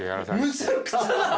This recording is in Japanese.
むちゃくちゃな。